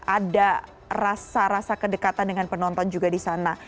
ada rasa rasa kedekatan dengan penonton juga di sana